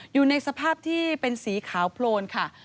อยู่ในสภาพที่เป็นสีขาวโพลนค่ะ